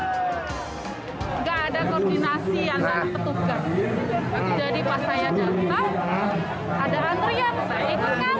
tidak ada koordinasi yang tidak ketugas jadi pas saya datang ada antrian saya ikut antri